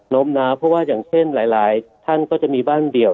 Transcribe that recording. ้มน้าวเพราะว่าอย่างเช่นหลายท่านก็จะมีบ้านเดี่ยว